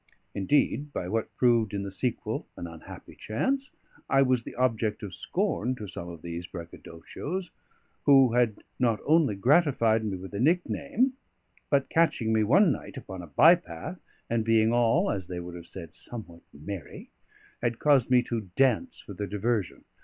Indeed, by what proved in the sequel an unhappy chance, I was an object of scorn to some of these braggadocios; who had not only gratified me with a nickname, but catching me one night upon a by path, and being all (as they would have said) somewhat merry, had caused me to dance for their diversion.